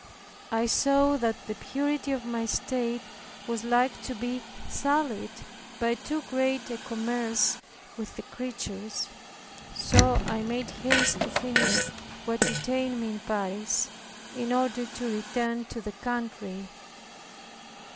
I saw that the purity of my state was like to be sullied by too great a commerce with the creatures, so I made haste to finish what detained me in Paris, in order to return to the country.